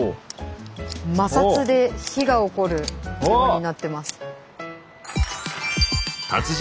摩擦で火がおこるようになってます。